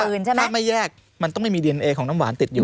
เนี่ยแน็กไม่แยกมันต้องให้มีดีเนอคของน้ำหวานติดอยู่